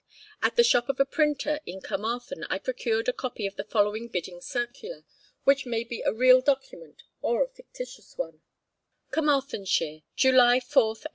At the shop of a printer in Carmarthen I procured a copy of the following bidding circular, which may be a real document, or a fictitious one: CARMARTHENSHIRE, JULY 4TH, 1862.